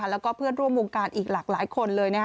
แล้วก็เพื่อนร่วมวงการอีกหลากหลายคนเลย